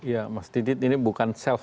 ya mas didit ini bukan self